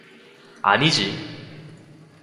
아니지.